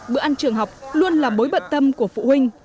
bữa ăn trường học luôn là bối bận tâm của phụ huynh